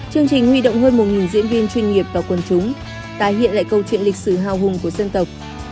chương trình nguy động hơn một diễn viên chuyên nghiệp và quần chúng tái hiện lại câu chuyện lịch sử hào hùng của dân tộc